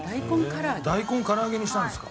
大根を唐揚げにしたんですか。